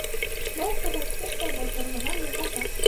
Был күрһәткес тә былтырғынан юғарыраҡ.